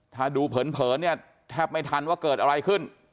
ถ้าดูเผินเนี่ยแทบไม่ทันว่าเกิดอะไรขึ้น